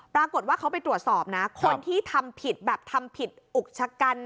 ปรากฏว่าเขาไปตรวจสอบนะคนที่ทำผิดแบบทำผิดอุกชะกัน